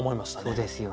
そうですよね。